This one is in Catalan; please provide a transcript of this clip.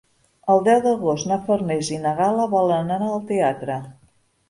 El deu d'agost na Farners i na Gal·la volen anar al teatre.